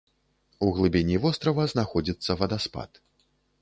У глыбіні вострава знаходзіцца вадаспад.